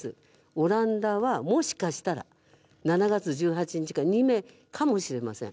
オランダは、もしかしたら７月１８日から２名かもしれません。